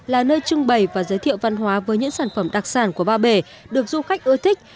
là nơi trưng bày và giới thiệu văn hóa với những sản phẩm đặc sản của ba bể được du khách ưa thích